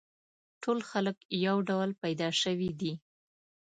ټول خلک یو ډول پیدا شوي دي.